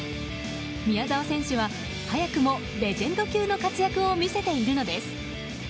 宮澤選手は早くもレジェンド級の活躍を見せているのです。